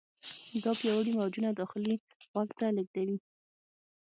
دا پیاوړي موجونه داخلي غوږ ته لیږدوي.